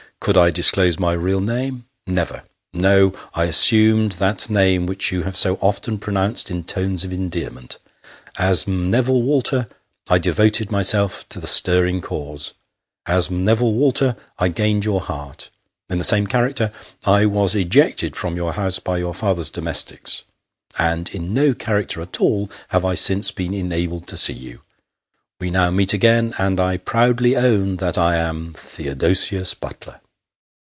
Could I disclose my real name ? Never ! No, I assumed that name which you have BO often pronounced in tones of endearment. As M'Neville Walter, I devoted myself to the stirring cause ; as M'Nevillo Walter, I gained your heart ; in the same character I was ejected from your house by your father's domestics ; and in no character at all have 1 since been enabled to see you. We now meet again, and I proudly own that I am Theodosius Butler."